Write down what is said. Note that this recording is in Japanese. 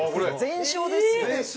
全焼ですよ。